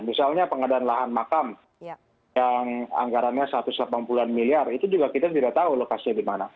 misalnya pengadaan lahan makam yang anggarannya satu ratus delapan puluh an miliar itu juga kita tidak tahu lokasinya di mana